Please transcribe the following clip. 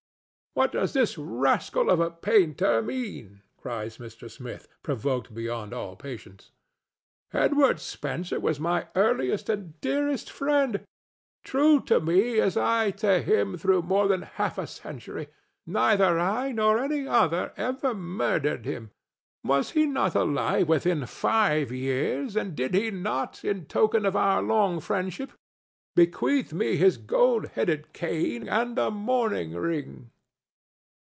"What does this rascal of a painter mean?" cries Mr. Smith, provoked beyond all patience. "Edward Spencer was my earliest and dearest friend, true to me as I to him through more than half a century. Neither I nor any other ever murdered him. Was he not alive within five years, and did he not, in token of our long friendship, bequeath me his gold headed cane and a mourning ring?"